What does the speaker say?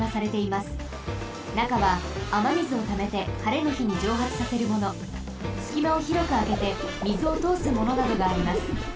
なかはあまみずをためてはれのひにじょうはつさせるものすきまをひろくあけてみずをとおすものなどがあります。